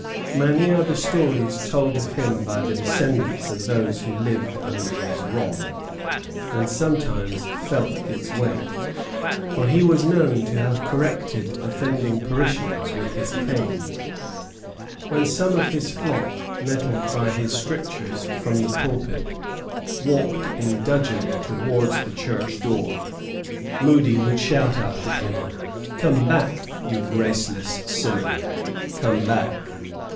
Many are the stories told of him by the descendants of those who lived under his rod, and sometimes felt its weight; for he was known to have corrected offending parishioners with his cane. [Footnote: Tradition told me at York by Mr. N. Marshall.] When some one of his flock, nettled by his strictures from the pulpit, walked in dudgeon towards the church door, Moody would shout after him, "Come back, you graceless sinner, come back!"